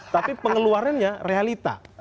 tapi pengeluarannya realita